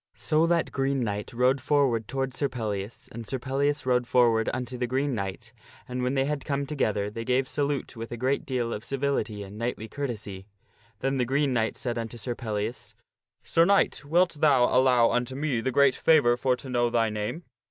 So that Green Knight rode forward toward Sir Pellias, and Sir Pellias rode forward unto the Green Knight, and when they had come together they gave salute with a great deal of civility and knightly courtesy. Then the Green Knight said unto Sir Pellias, " Sir Knight, wilt thou allow unto me the great favor for to know thy name